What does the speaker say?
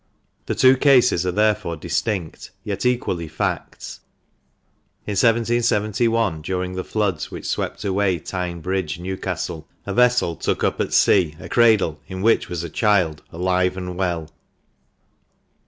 The two cases are therefore distinct, yet equally facts. In 1771, during the floods which swept away Tyne Bridge, Newcastle, a vessel took up at sea a cradle in which was a child alive and well.